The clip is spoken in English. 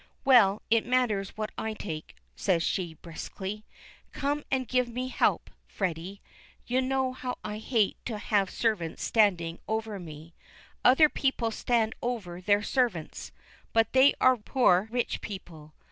"Well, it matters what I take," says she briskly. "Come and give me a help, Freddy. You know how I hate to have servants standing over me. Other people stand over their servants, but they are poor rich people.